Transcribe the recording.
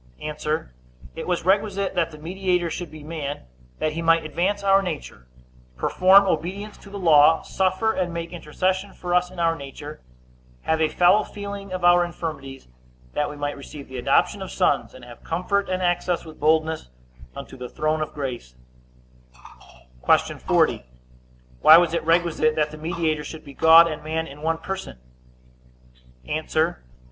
A. It was requisite that the mediator should be man, that he might advance our nature, perform obedience to the law, suffer and make intercession for us in our nature, have a fellow feeling of our infirmities; that we might receive the adoption of sons, and have comfort and access with boldness unto the throne of grace. Q. 40. Why was it requisite that the mediator should be God and man in one person?